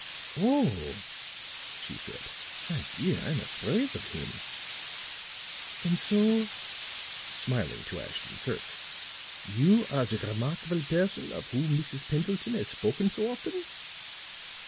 "Oh!" she said; "my dear, I'm afraid of him. And so," smiling to Ashton Kirk, "you are the remarkable person of whom Mrs. Pendleton has spoken so often?